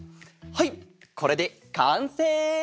はいこれでかんせい！